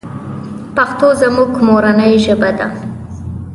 پښتو زموږ مورنۍ ژبه ده.